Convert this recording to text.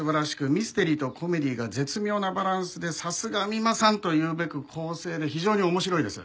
ミステリーとコメディーが絶妙なバランスでさすが三馬さんと言うべく構成で非常に面白いです。